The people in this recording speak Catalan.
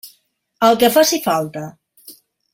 El que faci falta.